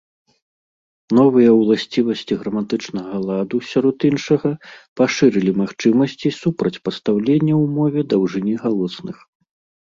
Новыя ўласцівасці граматычнага ладу, сярод іншага, пашырылі магчымасці супрацьпастаўлення ў мове даўжыні галосных.